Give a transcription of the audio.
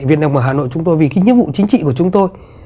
viện đồng ở hà nội chúng tôi vì cái nhiệm vụ chính trị của chúng tôi